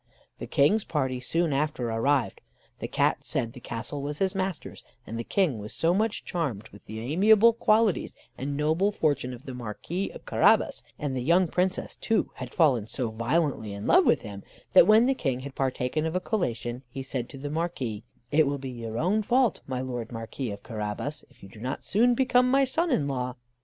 The King's party soon after arrived. The Cat said the castle was his master's; and the King was so much charmed with the amiable qualities and noble fortune of the Marquis of Carabas, and the young Princess too had fallen so violently in love with him, that when the King had partaken of a collation, he said to the Marquis: "It will be your own fault, my Lord Marquis of Carabas, if you do not soon become my son in law."